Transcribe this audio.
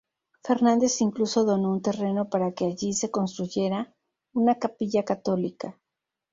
Fernández incluso donó un terreno para que allí se construyera una capilla católica.